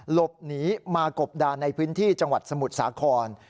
หลบหนีมากบดานในพื้นที่จังหวัดสมุทรสาคร